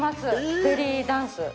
ベリーダンス？